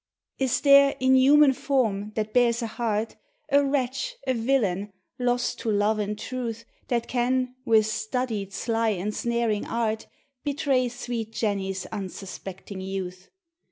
Is there, in human form, that bears a heart, A wretch, a villain, lost to love and truth, That can, with studied, sly, ensnaring art, Betray sweet Jenny's unsuspecting youth?